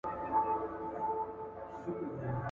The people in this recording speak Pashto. ایډیالوژیکو ناقصو لوستو هر څه تباه کړل.